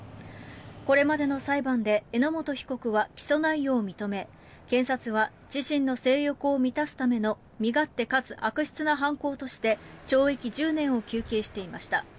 これまでの裁判で榎本被告は起訴内容を認め検察は自身の性欲を満たすための身勝手かつ悪質な犯行として懲役１０年を求刑していました。